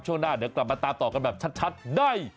ช่วงหน้าเดี๋ยวกลับมาตามต่อกันแบบชัดได้